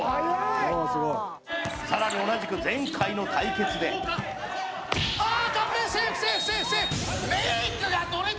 さらに同じく前回の対決でああ！